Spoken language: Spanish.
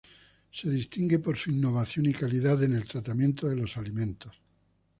Se distingue por su innovación y calidad en el tratamiento de los alimentos.